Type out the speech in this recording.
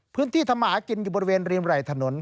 พื้นที่ธรรมากินอยู่บริเวณริมไหล่ถนน